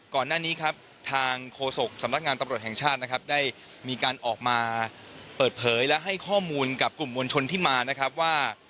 ก่อนหน้านี้ครับทางโฆษกสำนักงานตำรวจแห่งชาตินะครับได้มีการออกมาเปิดเผยและให้ข้อมูลกับกลุ่มมวลชนที่มานะครับว่า